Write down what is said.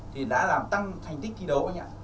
thì đã làm tăng thành tích thi đấu anh ạ